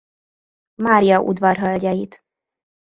Mária udvarhölgyeit.